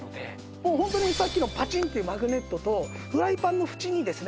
もうホントにさっきのパチンッていうマグネットとフライパンの縁にですね